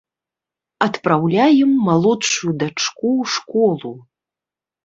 Адпраўляем малодшую дачку ў школу.